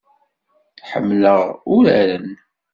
Ḥemmleɣ uraren.